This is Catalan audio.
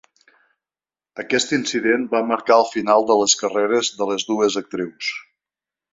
Aquest incident va marcar el final de les carreres de les dues actrius.